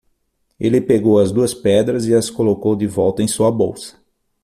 Ele pegou as duas pedras e as colocou de volta em sua bolsa.